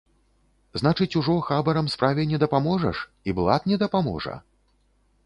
Значыць, ужо хабарам справе не дапаможаш і блат не дапаможа?